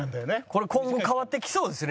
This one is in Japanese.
これ今後変わってきそうですね